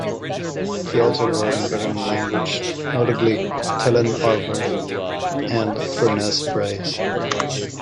He also wrote in the Breton language, notably "Telenn-Arvor" and "Furnez Breiz".